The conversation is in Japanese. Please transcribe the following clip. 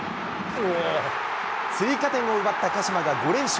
追加点を奪った鹿島が５連勝。